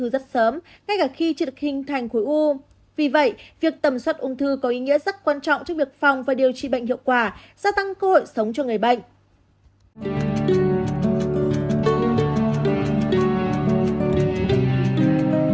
các bạn hãy đăng ký kênh để ủng hộ kênh của chúng mình nhé